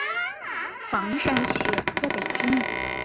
房山区同期启动的还有北窖娘娘庙修缮工程。